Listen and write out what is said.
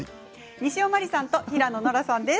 西尾まりさんと平野ノラさんです。